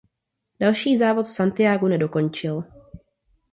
Další závod v Santiagu nedokončil.